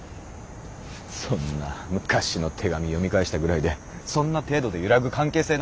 そんな昔の手紙読み返したぐらいでそんな程度で揺らぐ関係性なのかよ。